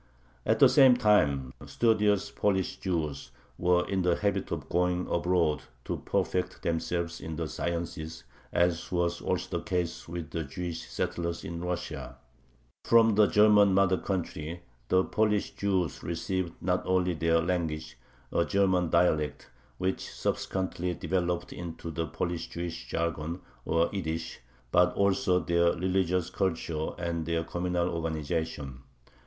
At the same time studious Polish Jews were in the habit of going abroad to perfect themselves in the sciences, as was also the case with the Jewish settlers in Russia. From the German mother country the Polish Jews received not only their language, a German dialect, which subsequently developed into the Polish Jewish jargon, or Yiddish, but also their religious culture and their communal organization.